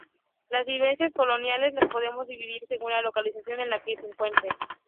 Las viviendas coloniales las podemos dividir según la localización en la que se encuentren.